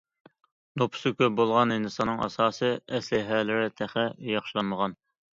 نوپۇسى كۆپ بولغان ھىندىستاننىڭ ئاساسىي ئەسلىھەلىرى تېخى ياخشىلانمىغان.